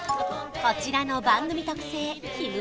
こちらの番組特製ひむ